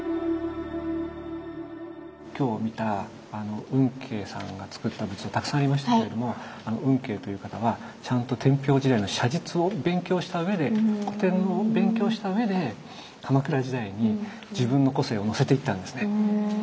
今日見た運慶さんがつくった仏像たくさんありましたけれども運慶という方はちゃんと天平時代の写実を勉強したうえで古典を勉強したうえで鎌倉時代に自分の個性をのせていったんですね。